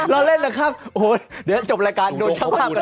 รอเล่นนะครับโอ้โหเดี๋ยวจบรายการโดนช่างภาพกัน